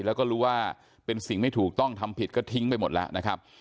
แล้วก็รู้ว่าเป็นสิ่งไม่ถูกต้องทำผิดก็ทิ้งไปหมดแล้วนะครับ